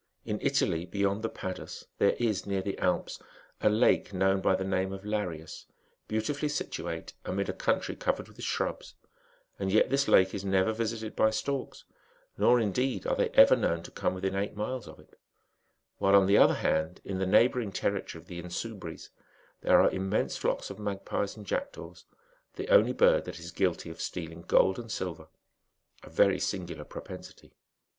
In Italy beyond the Padus there is, near the Alps, a lake known by the name of Lariuf beautifully situate amid a country covered with shrubs ; an yet this lake is never visited by storks, nor, indeed, are the ever known to come within eight miles of it ; while, on th other hand, in the neighbouring territory of the Insubres there are immense flocks of magpies and jackdaws, the only bird that is guilty of stealing gold and silver, a very singuk propensity.